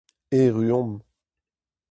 Erru omp.